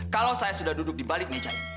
kalau saya sudah duduk di balik meja ini